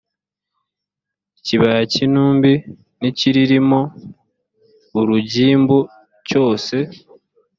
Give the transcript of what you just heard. ikibaya cy intumbi n icyiririmo urugimbu cyose